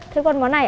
thế còn món này ạ